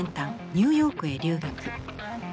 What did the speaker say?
ニューヨークへ留学。